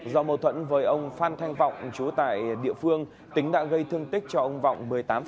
do mâu thuẫn với ông phan thanh vọng chú tại địa phương tính đã gây thương tích cho ông vọng một mươi tám